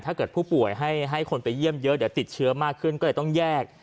ถ้าเกิดผู้ป่วยให้คนไปเยี่ยมเยอะเดี๋ยวติดเชื้อมากขึ้นก็เลยต้องแยก